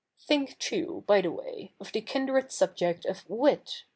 ' Think, too, by the way, of the kindred subject of wit.